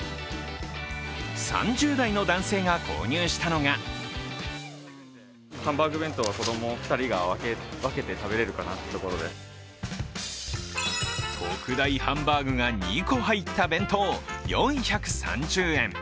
３０代の男性が購入したのが特大ハンバーグが２個入った弁当４３０円。